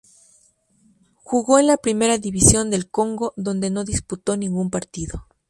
Jugó en la Primera División del Congo, donde no disputó ningún partido.